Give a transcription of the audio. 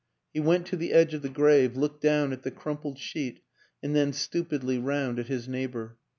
He went to the edge of the grave, looked down at the crumpled sheet and then stupidly round at his neighbor.